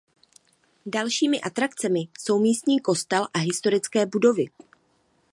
Dalšími atrakcemi jsou místní kostel a historické budovy.